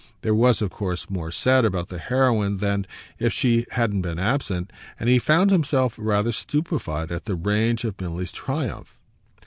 There was of course more said about the heroine than if she hadn't been absent, and he found himself rather stupefied at the range of Milly's triumph.